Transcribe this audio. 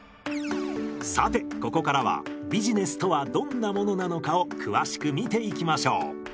さてここからはビジネスとはどんなものなのかを詳しく見ていきましょう。